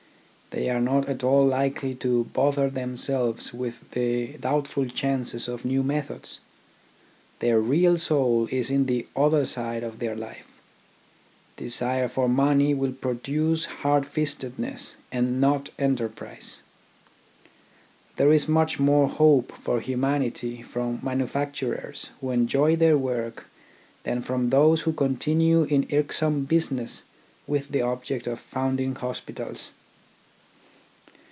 They are not at all likely to bother themselves with the doubtful chances of new methods. Their real soul is in the other side of their life. Desire for money will produce hard fistedness and not enterprise. There is much more hope for humanity from manufac turers who enjoy their work than from those who continue in irksome business with the object of founding hospitals.